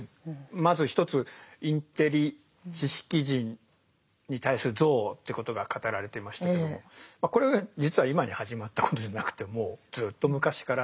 まず一つインテリ知識人に対する憎悪ってことが語られてましたけどもまあこれ実は今に始まったことじゃなくてもうずっと昔から。